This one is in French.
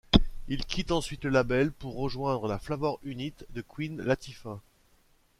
Il quitte ensuite le label pour rejoindre la Flavor Unit de Queen Latifah.